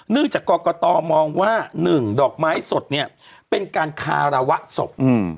นึกจากกรกฎอมองว่า๑ดอกไม้สดเป็นการคารวะศพ